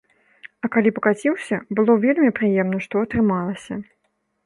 А калі пакаціўся, было вельмі прыемна, што атрымалася.